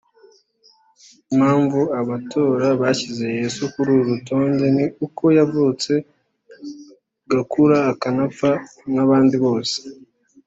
Impamvu abatora bashyize Yezu kuri uru rutonde ni uko yavutse agakura akanapfa nk’abandi bose